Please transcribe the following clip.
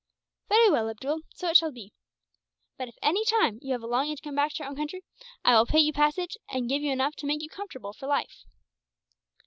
"Very well, Abdool, so it shall be. But if, at any time, you have a longing to come back to your own country, I will pay your passage, and give you enough to make you comfortable for life."